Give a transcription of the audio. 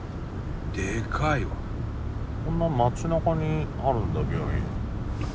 こんな街なかにあるんだ病院。